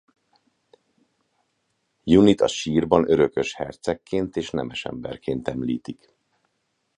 Junit a sírban örökös hercegként és nemesemberként említik.